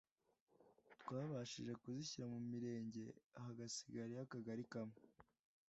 twabashije kuzishyira ku mirenge hagasigara iy’akagari kamwe